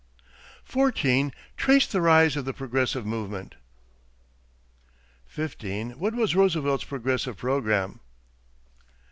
14. Trace the rise of the Progressive movement. 15. What was Roosevelt's progressive program? 16.